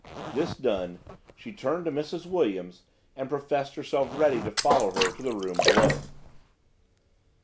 This done she turned to Mrs. Williams and professed herself ready to follow her to the room below.